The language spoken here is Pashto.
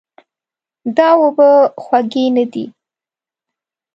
دا اوبه خوږې نه دي.